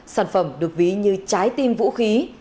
sản phẩm được ví như trái tim vũ khí